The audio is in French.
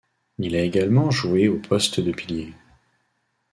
Il a également joué au poste de pilier.